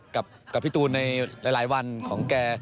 กับพี่ตูนในหลายวันของแก